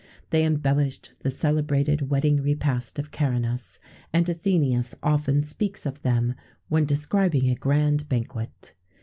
They embellished the celebrated wedding repast of Caranus; and Athenæus often speaks of them when describing a grand banquet.